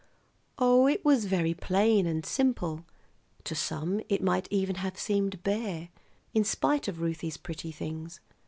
Oh, it was very plain and simple; to some it might even have seemed bare, in spite of Ruthie's pretty things.